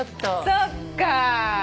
そっか。